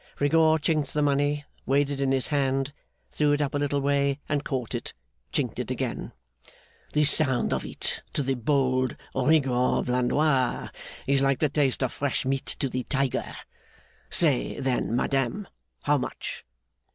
Rigaud chinked the money, weighed it in his hand, threw it up a little way and caught it, chinked it again. 'The sound of it, to the bold Rigaud Blandois, is like the taste of fresh meat to the tiger. Say, then, madame. How much?